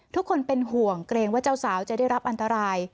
ทุกคนเป็นห่วงเกรงว่าเจ้าสาวจะได้รับอันตราย